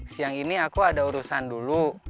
siang ini aku ada urusan dulu